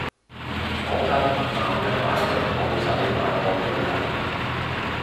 講真男人賣腳圖實好賣過女人